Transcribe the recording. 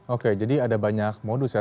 oke jadi ada banyak modus ya